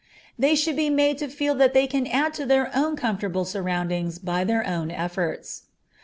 They should be made to feel that they can add to their own comfortable surroundings by their own efforts.